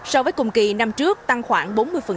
so với cùng kỳ năm trước tăng khoảng bốn mươi